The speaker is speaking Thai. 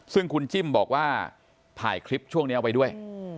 ซึ่งคุณจิ้มบอกว่าถ่ายคลิปช่วงนี้เอาไว้ด้วย